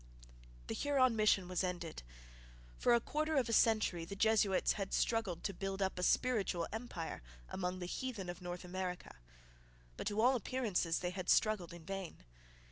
The Huron mission was ended. For a quarter of a century the Jesuits had struggled to build up a spiritual empire among the heathen of North America, but, to all appearances, they had struggled in vain.